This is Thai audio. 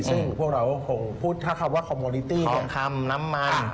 ซึ่งพวกเราคงพูดถ้าคำว่าคอมโมนิตี้ทองคำน้ำมัน